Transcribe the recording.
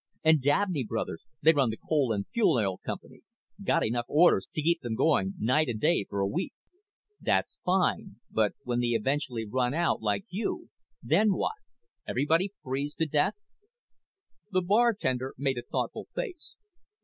And Dabney Brothers they run the coal and fuel oil company got enough orders to keep them going night and day for a week." "That's fine. But when they eventually run out, like you, then what? Everybody freeze to death?" The bartender made a thoughtful face.